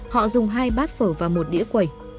họ dùng hai bát phở và một đĩa quẩy